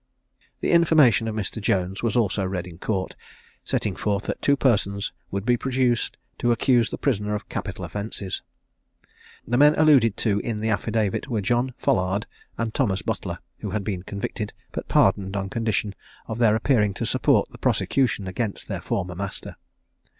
The information of Mr. Jones was also read in court, setting forth that two persons would be produced to accuse the prisoner of capital offences. The men alluded to in the affidavit were John Follard and Thomas Butler, who had been convicted, but pardoned on condition of their appearing to support the prosecution against their former master.